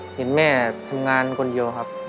เห็นแม่ทำงานคนเดียวครับ